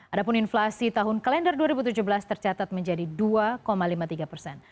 adapun inflasi tahun kalender dua ribu tujuh belas tercatat menjadi dua lima puluh tiga persen